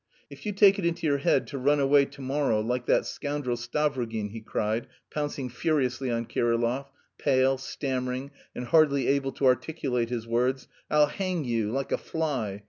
"If you take it into your head to run away to morrow like that scoundrel Stavrogin," he cried, pouncing furiously on Kirillov, pale, stammering, and hardly able to articulate his words, "I'll hang you... like a fly...